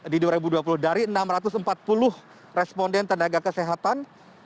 di dua ribu dua puluh dari enam ratus empat puluh responden tenaga kesehatan